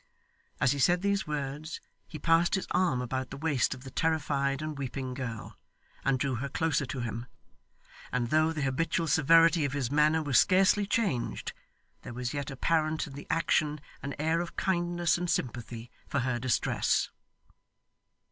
As he said these words, he passed his arm about the waist of the terrified and weeping girl, and drew her closer to him; and though the habitual severity of his manner was scarcely changed, there was yet apparent in the action an air of kindness and sympathy for her distress.